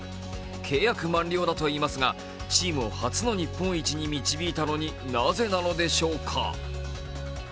契約満了だといいますがチームを初の日本一に導いたのになぜなのでしょうか。